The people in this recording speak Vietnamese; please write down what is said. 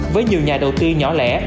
với nhiều nhà đầu tư nhỏ lẻ